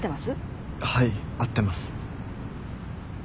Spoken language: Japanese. はい合ってます。